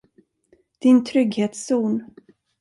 Din trygghetszon.